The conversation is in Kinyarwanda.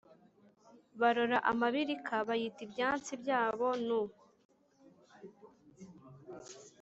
Barora amabirika, bayita ibyansi byabo nu :